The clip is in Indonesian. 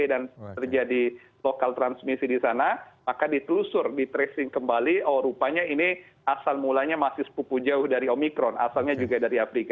dan terjadi lokal transmisi di sana maka ditelusur ditracing kembali oh rupanya ini asal mulanya masih sepupu jauh dari omikron asalnya juga dari afrika